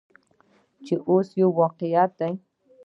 چې اوس یو واقعیت دی.